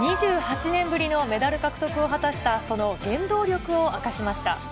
２８年ぶりのメダル獲得を果たしたその原動力を明かしました。